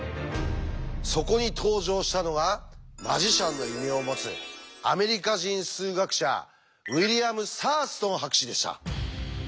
そこに登場したのが「マジシャン」の異名を持つアメリカ人数学者ウィリアム・サーストン博士でした。